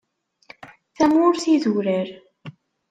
Tamurt idurar.